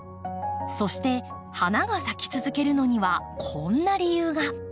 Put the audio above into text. そして花が咲き続けるのにはこんな理由が。